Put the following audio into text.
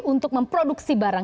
untuk memproduksi barang